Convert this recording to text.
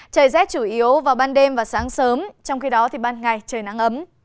trời rét chủ yếu vào ban đêm và sáng sớm trong khi đó thì ban ngày trời nắng ấm